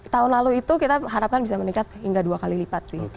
tahun lalu itu kita harapkan bisa meningkat hingga dua kali lipat sih